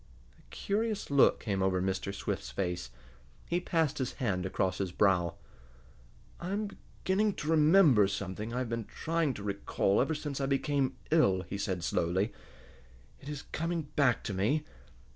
A curious look came over Mr. Swift's face. He passed his hand across his brow. "I am beginning to remember something I have been trying to recall ever since I became ill," he said slowly. "It is coming back to me.